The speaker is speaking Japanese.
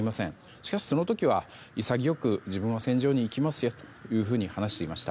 しかし、その時は潔く自分は戦場に行きますよと話していました。